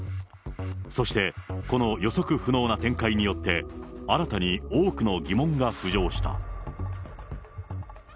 そして、この予測不能な展開によって、新たに多くの疑問が浮上した。